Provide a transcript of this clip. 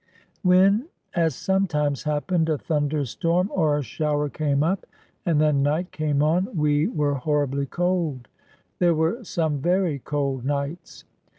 When, as sometimes happened, a thunder storm or a shower came up and then night came on, we were horribly cold. There were some very cold nights.